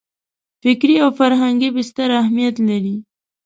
فکري او فرهنګي بستر اهمیت لري.